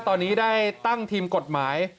ตอนนี้ได้ตั้งทีมกฎหมาย